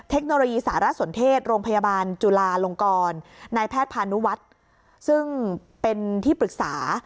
เทคโนโลยีสารสนเทศโรงพยาบาลจุลาลงกรนายแพทย์พานุวัฒน์ซึ่งเป็นที่ปรึกษา